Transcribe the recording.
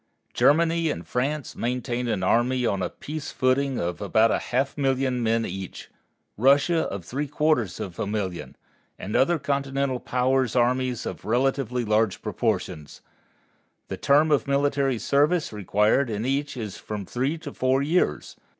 Germany and France maintain an army on a peace footing of about a half million of men each, Russia of three quarters of a million, and other Continental powers armies of relatively large proportions. The term of military service required in each is from three to four years.